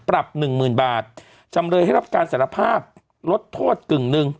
หนึ่งหมื่นบาทจำเลยให้รับการสารภาพลดโทษกึ่งหนึ่ง